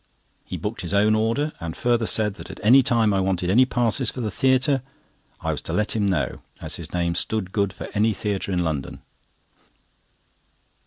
He booked his own order, and further said that at any time I wanted any passes for the theatre I was to let him know, as his name stood good for any theatre in London.